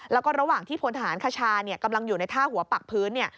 แล้วก็ระหว่างที่พลทหารคชากำลังอยู่ในท่าหัวปักพื้นเนี่ย